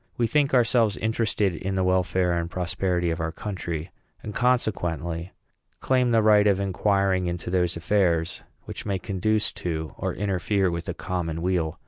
We think ourselves interested in the welfare and prosperity of our country; and, consequently, claim the right of inquiring into those affairs which may conduce to or interfere with the common weal.